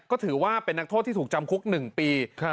ก็ถือว่าเป็นนักโทษที่ถูกจำคุก๑ปี